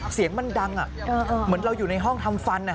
เสียงมันดังเหมือนเราอยู่ในห้องทำฟัน